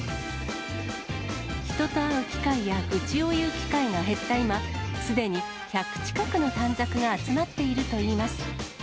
人と会う機会や愚痴を言う機会が減った今、すでに１００近くの短冊が集まっているといいます。